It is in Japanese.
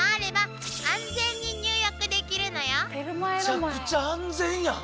めちゃくちゃ安全や！